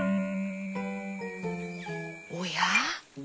おや？